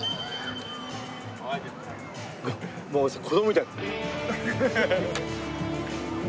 もうさ子供みたい。